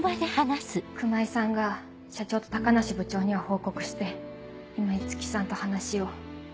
熊井さんが社長と高梨部長には報告して今五木さんと話を。